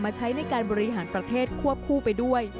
ใช้ในการบริหารประเทศควบคู่ไปด้วย